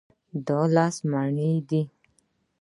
دا لس مڼې دي.